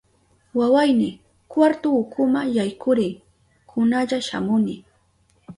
Wawayni, kwartu ukuma yaykuriy, kunalla shamuni.